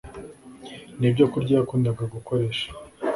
Ni ibyokurya yakundaga gukoresha